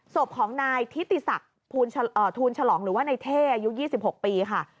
ศพของนายทิติศักดิ์ทูลฉลองหรือว่าในเท่อายุ๒๖ปีค่ะ